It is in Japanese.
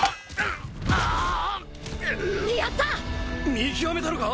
見極めたのか？